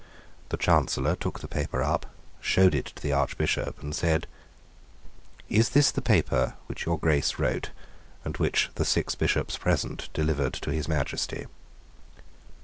The Chancellor took the paper up, showed it to the Archbishop, and said, "Is this the paper which your Grace wrote, and which the six Bishops present delivered to his Majesty?"